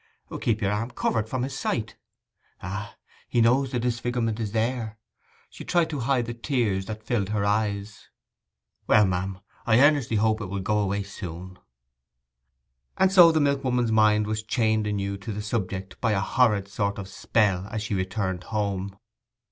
'Keep your arm covered from his sight.' 'Ah—he knows the disfigurement is there!' She tried to hide the tears that filled her eyes. 'Well, ma'am, I earnestly hope it will go away soon.' And so the milkwoman's mind was chained anew to the subject by a horrid sort of spell as she returned home.